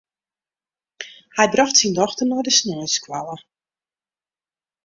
Hy brocht syn dochter nei de sneinsskoalle.